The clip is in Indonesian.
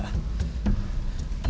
kita harus mencari anak anak